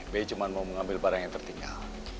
bi cuma mau mengambil barang yang tertinggal